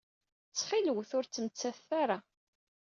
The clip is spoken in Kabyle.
Ttxil-wet ur ttmettatet ara.